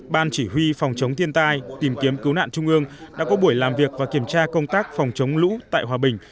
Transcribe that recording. ban chỉ huy phòng chống thiên tai tìm kiếm cứu nạn trung ương đã có buổi làm việc và kiểm tra công tác phòng chống lũ tại hòa bình